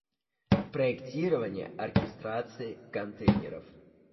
Проектирование оркестрации контейнеров